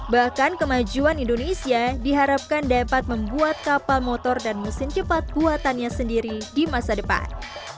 bahkan kemajuan indonesia diharapkan dapat membuat kapal motor dan mesin cepat buatannya sendiri di masa depan